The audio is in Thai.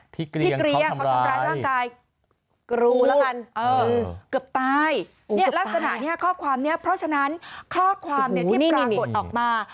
พี่เกลียงเขาทำร้ายร่างกายเกือบตายลักษณะข้อความเนี่ยเพราะฉะนั้นข้อความที่ปรากฏออกมา